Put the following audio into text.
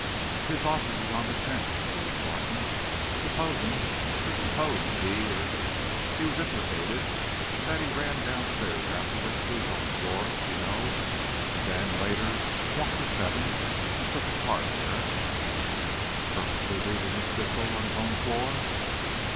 "His office is on the tenth," mused Martin; "s'posin' just s'posin' he'd er he was implicated, and that he ran downstairs afterward, to his own floor, you know, and then, later, walked to seven, and took a car there " "Purposely leaving his pistol on his own floor!"